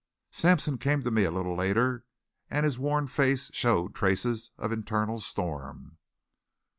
Sampson came to me a little later and his worn face showed traces of internal storm.